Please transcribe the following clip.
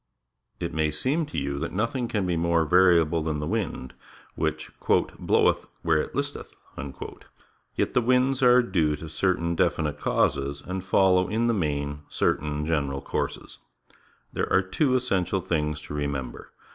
It may seem to you that nothing can be more variable than the wind, which "bloweth where it listeth." Yet tfie winds are due to certain definite causes, and follow in the main, certain general courses. 40 PUBLIC SCHOOL GEOGRAPHY There are two essential things to remem ber.